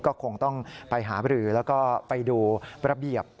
ก็คงต้องไปหาบรือแล้วก็ไปดูระเบียบ